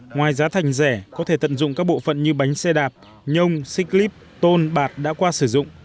ngoài giá thành rẻ có thể tận dụng các bộ phận như bánh xe đạp nhông xích lip tôn bạc đã qua sử dụng